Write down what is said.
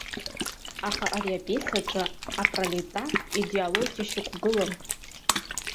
Аха ари апиеса аҿы апролетартә идеологиала шьақәгылам.